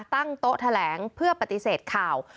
ตั้งโต๊ะแถลงเพื่อปฏิเสธข่าว